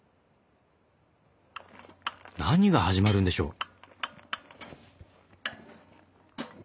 何が始まるんでしょう？